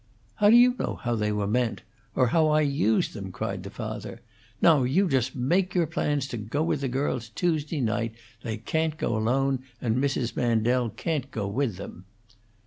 "How do you know how they were meant? Or how I used them?" cried the father. "Now you just make your plans to go with the girls, Tuesday night. They can't go alone, and Mrs. Mandel can't go with them."